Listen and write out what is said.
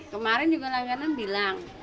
kemarin juga langganan bilang